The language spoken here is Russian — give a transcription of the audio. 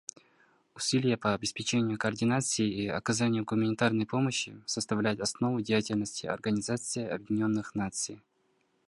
Усилия по обеспечению координации и оказанию гуманитарной помощи составляют основу деятельности Организации Объединенных Наций.